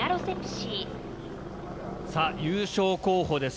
さあ優勝候補です。